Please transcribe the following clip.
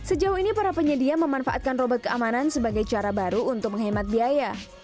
sejauh ini para penyedia memanfaatkan robot keamanan sebagai cara baru untuk menghemat biaya